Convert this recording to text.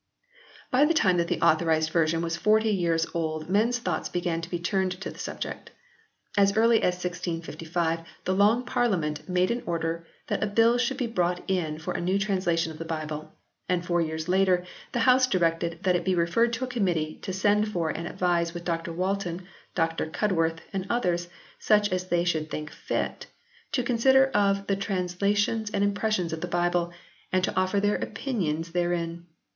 By the time that the Authorised Version was forty years old men s thoughts began to be turned to the subject. As early as 1655 the Long Parliament made an order that a Bill should be brought in for a new translation of the Bible, and four years later the House directed u that it be referred to a Committee to send for and advise with Dr Walton, Dr Cudworth and others such as they should think fit, and to con sider of the translations and impressions of the Bible and to offer their opinions therein."